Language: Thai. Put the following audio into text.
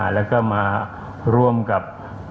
แล้วก็มาร่วมกับ